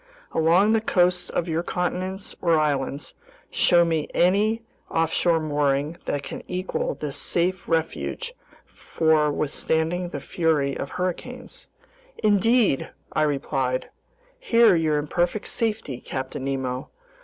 Along the coasts of your continents or islands, show me any offshore mooring that can equal this safe refuge for withstanding the fury of hurricanes." "Indeed," I replied, "here you're in perfect safety, Captain Nemo.